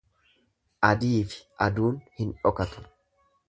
Adiifi aduun hin dhokatu.